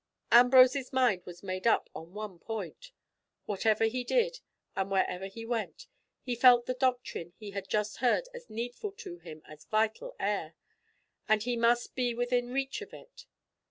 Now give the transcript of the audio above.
Ambrose's mind was made up on one point. Whatever he did, and wherever he went, he felt the doctrine he had just heard as needful to him as vital air, and he must be within reach of it.